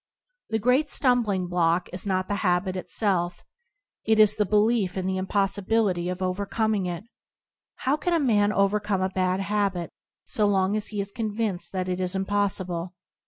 The great stumbling block is not the habit itself, it is the belief in the impossibility of overcoming it. How can a man overcome a bad habit so long as he is convinced that it is impossible?